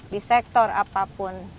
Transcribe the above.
di sektor apapun